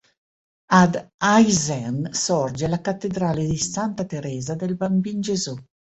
Ad Aysén sorge la cattedrale di Santa Teresa del Bambin Gesù.